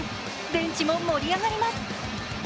ベンチも盛り上がります。